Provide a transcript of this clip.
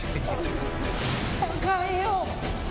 高いよ。